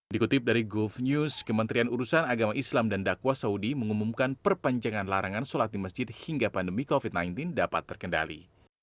dikutip dari golf news kementerian urusan agama islam dan dakwah saudi mengumumkan perpanjangan larangan sholat di masjid hingga pandemi covid sembilan belas dapat terkendali